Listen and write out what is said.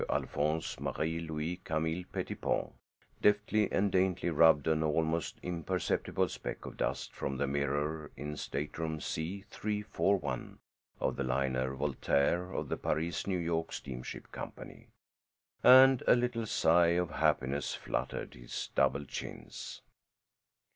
Alphonse Marie Louis Camille Pettipon deftly and daintily rubbed an almost imperceptible speck of dust from the mirror in Stateroom C 341 of the liner Voltaire of the Paris New York Steamship Company, and a little sigh of happiness fluttered his double chins.